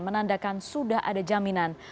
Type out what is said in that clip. menandakan sudah ada jaminan